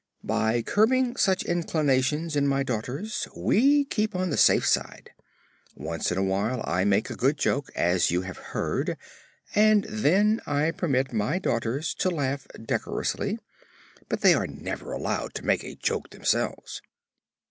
"By curbing such inclinations in my daughters we keep on the safe side. Once in a while I make a good joke, as you have heard, and then I permit my daughters to laugh decorously; but they are never allowed to make a joke themselves."